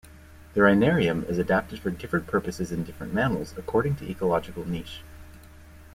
The rhinarium is adapted for different purposes in different mammals according to ecological niche.